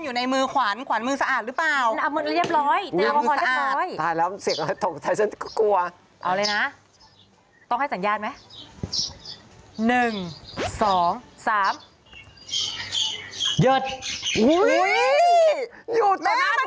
หยุดเมื่อกี้มันหยุด